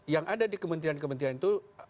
yang ada di kementerian kementerian itu